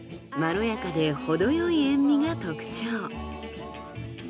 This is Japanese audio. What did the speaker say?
まろやかで程よい塩味が特徴。